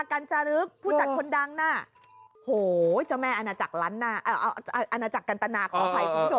กันจรึกผู้จัดคนดังน่ะโหเจ้าแม่อาณาจักรกันตนาขอไฟคุณผู้ชม